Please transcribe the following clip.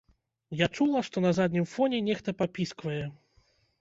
Я чула, што на заднім фоне нехта папісквае.